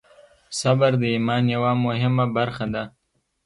صبر د ایمان یوه مهمه برخه ده.